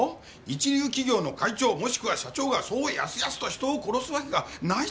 一流企業の会長もしくは社長がそうやすやすと人を殺すわけがないじゃないか。